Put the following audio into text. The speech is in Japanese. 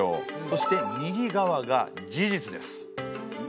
そして右側が事実です。